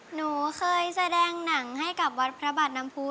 หนูเคยแสดงหนังให้กับวัดพระบาทน้ำพู